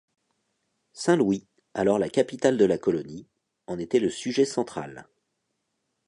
Saint-Louis, alors la capitale de la colonie, en était le sujet central.